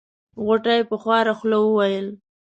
غوټۍ په خواره خوله وويل.